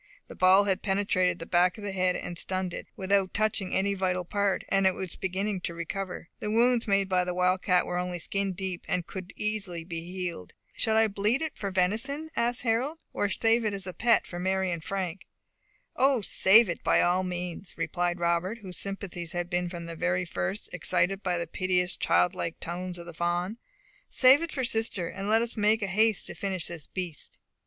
The ball had penetrated the back of the head and stunned it, without touching any vital part, and it was beginning to recover; the wounds made by the wildcat were only skin deep, and could easily be healed. "Shall I bleed it for venison?" asked Harold, "or save it as a pet for Mary and Frank?" "O, save it by all means," replied Robert, whose sympathies had been from the first excited by the piteous, childlike tones of the fawn. "Save it for sister, and let us make haste to finish this beast."